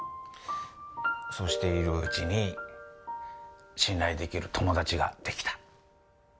そうしているうちに信頼できる友達ができた。